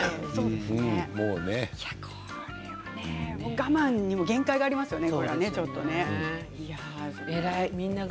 我慢にも限界がありますよね。